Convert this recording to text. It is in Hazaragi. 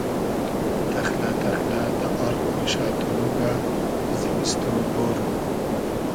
تئخلۂ تئخلۂ دۂ آر گۉشۂ تونوگۂ زیمیستۉ بورو